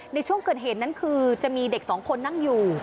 ในช่วงเกิดเหตุนั้นคือจะมีเด็กสองคนนั่งอยู่